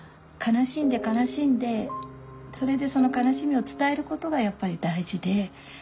悲しんで悲しんでそれでその悲しみを伝えることがやっぱり大事で。